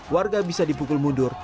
warga bisa dipukul mundur